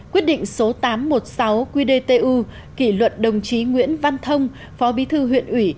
quyết định số tám trăm một mươi sáu qdtu kỷ luật đồng chí nguyễn văn thông phó bí thư huyện ủy